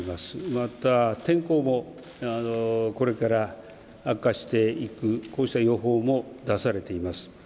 また、天候もこれから悪化していくこうした予報も出されています。